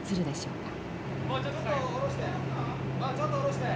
ちょっと下ろして。